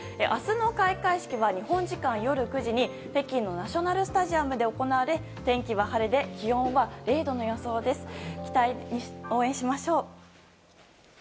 明日の開会式は日本時間夜９時に北京のナショナルスタジアムで行われ、天気は晴れで気温は０度の予想です。